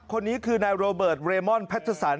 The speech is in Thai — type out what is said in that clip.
คนนี้คือนายโรเบิร์ตเรมอนแพทเทอร์สัน